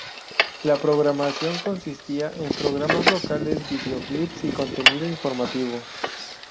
La programación consistía en programas locales, videoclips y contenido informativo.